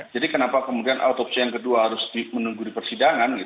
jadi kenapa kemudian otopsi yang kedua harus menunggu di persidangan